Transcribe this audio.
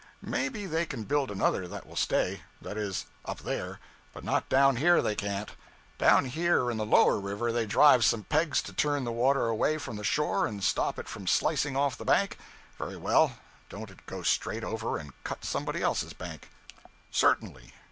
Maybe they can build another that will stay; that is, up there but not down here they can't. Down here in the Lower River, they drive some pegs to turn the water away from the shore and stop it from slicing off the bank; very well, don't it go straight over and cut somebody else's bank? Certainly.